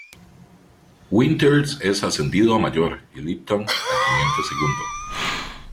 Winters es ascendido a mayor, y Lipton a teniente segundo.